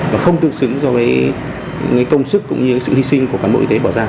và không tương xứng so với công sức cũng như sự hy sinh của cán bộ y tế bỏ ra